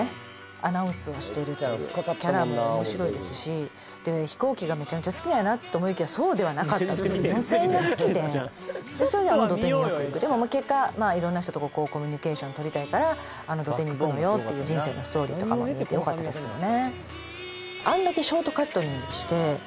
アナウンスをしてるというキャラも面白いですしで飛行機がめちゃめちゃ好きなんやなと思いきやそうではなかったという無線が好きでそれであの土手によく行くでもまあ結果色んな人とこうコミュニケーション取りたいからあの土手に行くのよっていう人生のストーリーとかも見えてよかったですけどね